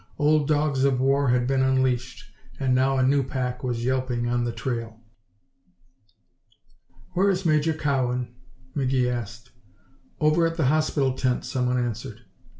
Old dogs of war had been unleashed, and now a new pack was yelping on the trail. "Where is Major Cowan?" McGee asked. "Over at the hospital tent," someone answered.